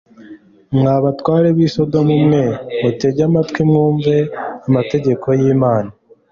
mwa batware b'i sodomu mwe, mutege amatwi mwumve amategeko y'imana